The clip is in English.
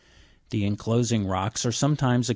The enclosing rocks are sometimes occa Fig.